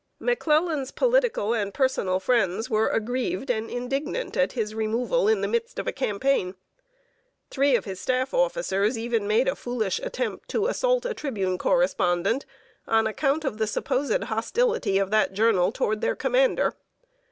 McClellan's political and personal friends were aggrieved and indignant at his removal in the midst of a campaign. Three of his staff officers even made a foolish attempt to assault a Tribune correspondent, on account of the supposed hostility of that journal toward their commander.